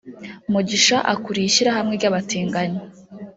Mugisha ukuriye ishyirahamwe ry’abatinganyi